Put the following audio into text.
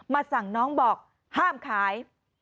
สั่งน้องบอกห้ามขาย